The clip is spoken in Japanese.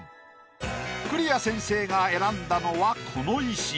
栗屋先生が選んだのはこの石。